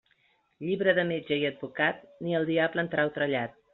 Llibre de metge i advocat, ni el diable en trau trellat.